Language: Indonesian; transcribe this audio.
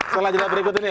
selanjutnya berikut ini